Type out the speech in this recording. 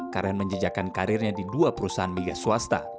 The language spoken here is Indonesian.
karen menjejakan karirnya di dua perusahaan media swasta